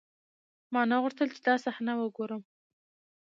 ما نه غوښتل چې دا صحنه وګورم.